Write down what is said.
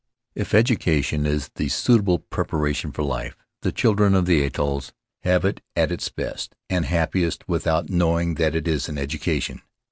If education is the suitable preparation for life, the children of the atolls have it at its best and happiest without knowing that it is education.